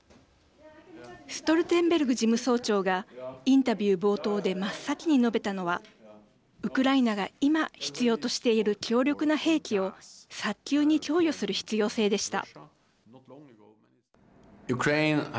ストルテンベルグ事務総長がインタビュー冒頭で真っ先に述べたのはウクライナが今必要としている強力な兵器を早急に供与する必要性でした。